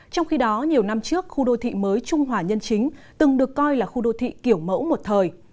trong khi đó nhiều năm trước khu đô thị mới trung hòa nhân chính từng được coi là khu đô thị kiểu mẫu một thời